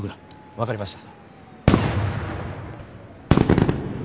わかりました。